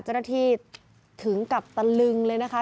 เจ้าหน้าที่ถึงกับตะลึงเลยนะคะ